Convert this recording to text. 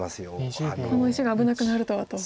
「この石が危なくなるとは」と。